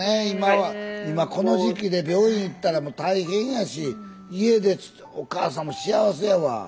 今は今この時期で病院行ったらもう大変やし家でおかあさんも幸せやわ。